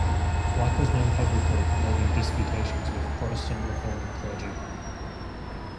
Black was known publicly for holding disputations with Protestant Reforming clergy.